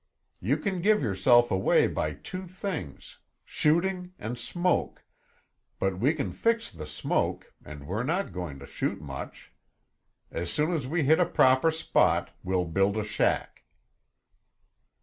You can give yourself away by two things, shooting and smoke, but we can fix the smoke and we're not going to shoot much. As soon as we hit a proper spot, we'll build a shack."